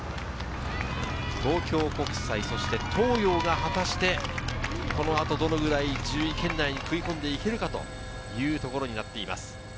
東京国際、東洋が果たしてこの後どのくらい１０位圏内に食い込んで行けるかというところになっています。